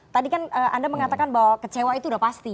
tadi kan anda mengatakan bahwa kecewa itu sudah pasti